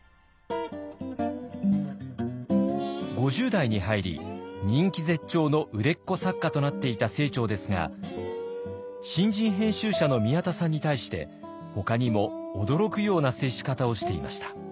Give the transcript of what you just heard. ５０代に入り人気絶頂の売れっ子作家となっていた清張ですが新人編集者の宮田さんに対してほかにも驚くような接し方をしていました。